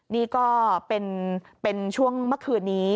นี่ก็เป็นช่วงเมื่อคืนนี้